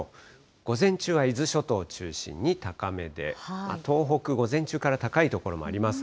午前中は伊豆諸島中心に高めで、東北、午前中から高い所もあります。